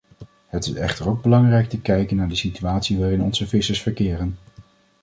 Het is echter ook belangrijk te kijken naar de situatie waarin onze vissers verkeren.